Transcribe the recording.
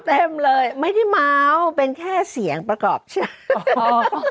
เต็มเลยไม่ได้เมาส์เป็นแค่เสียงประกอบชื่ออ๋อ